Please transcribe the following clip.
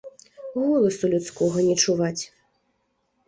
Голасу людскога не чуваць.